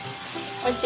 おいしい。